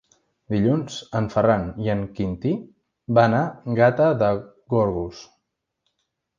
Dilluns en Ferran i en Quintí van a Gata de Gorgos.